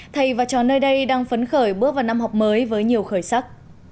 thầy và trò nơi đây đang phấn khởi bước vào năm học mới với nhiều khởi sắc